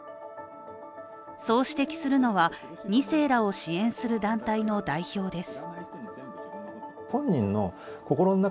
そう指摘するのは、２世らを支援する団体の代表です。